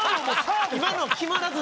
今の決まらず。